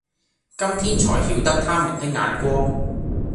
今天纔曉得他們的眼光，